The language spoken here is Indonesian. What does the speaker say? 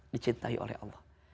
dicintai oleh allah